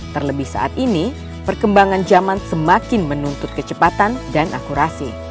terlebih saat ini perkembangan zaman semakin menuntut kecepatan dan akurasi